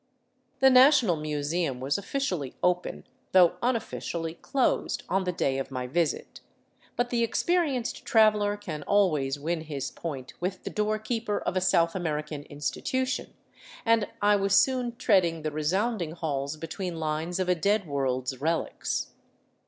The national museum was officially open, though unofficially closed, on the day of my visit. But the experienced traveler can always win his point with the doorkeeper of a South American institution, and I was soon treading the resounding halls between lines of a dead world's relics.